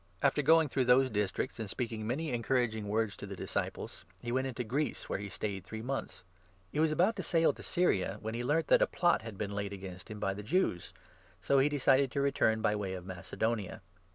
253 After going through those districts and speaking many 2 encouraging words to the disciples, he went into Greece, where he stayed three months. He was about to sail to 3 Syria, when he learnt that a plot had been laid against him by the Jews ; so he decided to return by way of Mace donia.